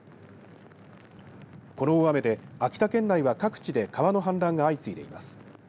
この大雨で秋田県内は各地で川の氾濫が相次いでいます。